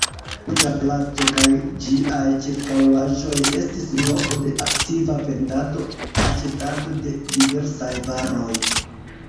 Ruĝa placo kaj ĝiaj ĉirkaŭaĵoj estis loko de aktiva vendado-aĉetado de diversaj varoj.